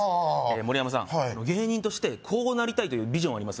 盛山さん芸人としてこうなりたいというビジョンはあります？